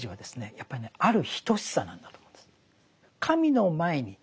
やっぱりねある等しさなんだと思うんです。